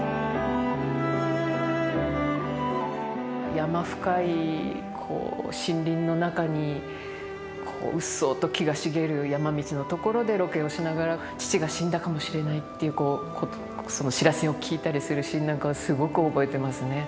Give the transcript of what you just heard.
山深い森林の中にこううっそうと木が茂る山道の所でロケをしながら父が死んだかもしれないっていうその知らせを聞いたりするシーンなんかはすごく覚えてますね。